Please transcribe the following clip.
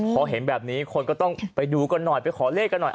พอเห็นแบบนี้คนก็ต้องไปดูกันหน่อยไปขอเลขกันหน่อย